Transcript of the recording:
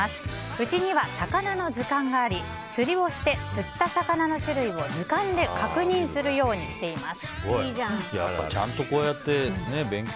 うちには魚の図鑑があり釣りをして釣った魚の種類を図鑑で確認するようにしています。